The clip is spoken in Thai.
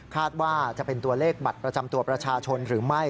ว่าจะเป็นตัวเลขบัตรประจำตัวประชาชนหรือไม่